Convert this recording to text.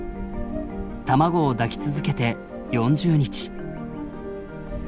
卵を抱き続けて４０日。